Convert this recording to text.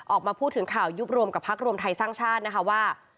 ออกมาพูดถึงข่าวยุบรวมกับพักรวมไทยสร้างชาตินะคะว่า